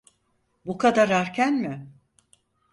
Bu kadar erken mi?